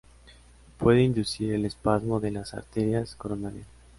Puede inducir el espasmo de las arterias coronarias.